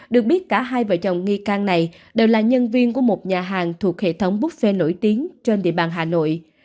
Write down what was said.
được biết cả hai vợ chồng nghi can này đều là nhân viên của một nhà hàng thuộc hệ thống buffet nổi tiếng trên địa bàn hà nội